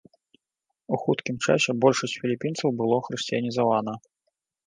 У хуткім часе большасць філіпінцаў было хрысціянізавана.